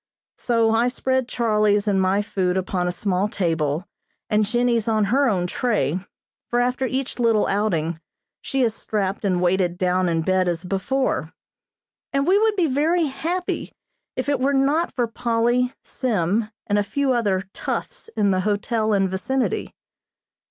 So I spread Charlie's and my food upon a small table, and Jennie's on her own tray, for after each little outing she is strapped and weighted down in bed as before, and we would be very happy if it were not for Polly, Sim, and a few other "toughs" in the hotel and vicinity.